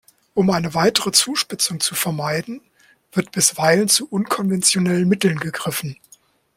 Um eine weitere Zuspitzung zu vermeiden, wird bisweilen zu unkonventionellen Mitteln gegriffen.